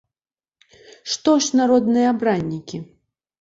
Што ж народныя абраннікі?